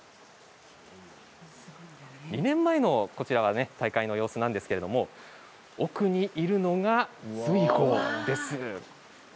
２年前の大会の様子なんですけれども奥にいるのが瑞宝です。